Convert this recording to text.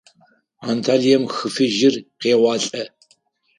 Анталием Хы Фыжьыр къеуалӏэ.